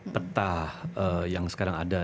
peta yang sekarang ada